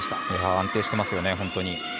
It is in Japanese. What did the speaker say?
安定してますよね、本当に。